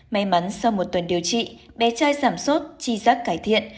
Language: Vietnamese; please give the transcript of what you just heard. may mắn sau một tuần điều trị bé trai giảm sốt chi giác cải thiện